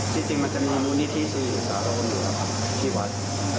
สิ่งจริงมันจะมีมูลนิธิที่อยู่สารวรรดิดูนะครับที่วัด